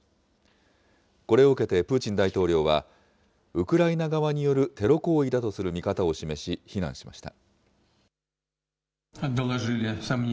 これを受けてプーチン大統領は、ウクライナ側によるテロ行為だとする見方を示し、非難しました。